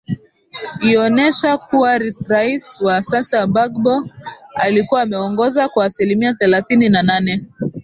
ioonesha kuwa rais wa sasa bagbo alikuwa ameongoza kwa aslimia thelathini na nane